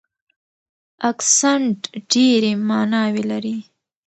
اکسنټ ډېرې ماناوې لري.